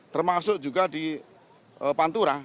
termasuk juga di pantura